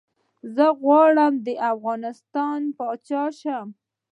زه غواړم ده افغانستان پاچا شم